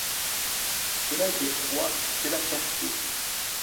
Cela était froid et cela perçait.